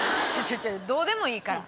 どうでもいいから！